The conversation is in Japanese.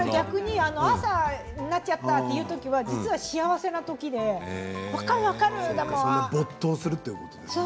朝になっちゃったというのは幸せなときで分かる分かる。